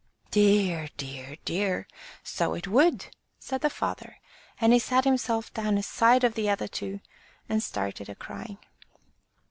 "Dear, dear, dear! so it would!" said the father, and he sat himself down aside of the other two, and started a crying.